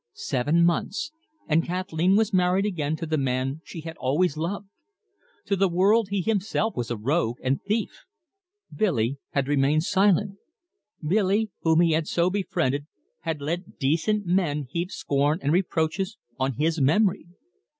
Seven months and Kathleen was married again to the man she had always loved. To the world he himself was a rogue and thief. Billy had remained silent Billy, whom he had so befriended, had let decent men heap scorn and reproaches on his memory.